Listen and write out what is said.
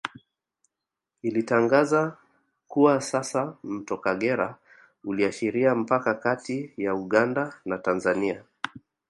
Ilitangaza kuwa sasa Mto Kagera uliashiria mpaka kati ya Uganda na Tanzania